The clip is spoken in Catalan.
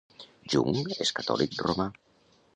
Jung és catòlic romà.